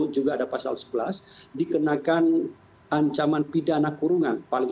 juga ada pasal sebelas dikenakan ancaman pidana kurungan